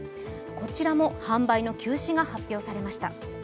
こちらも販売の休止が発表されました。